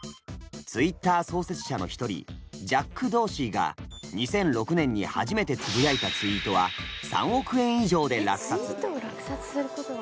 Ｔｗｉｔｔｅｒ創設者の一人ジャック・ドーシーが２００６年に初めてつぶやいたツイートは３億円以上で落札。